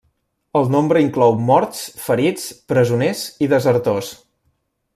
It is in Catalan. El nombre inclou morts, ferits, presoners i desertors.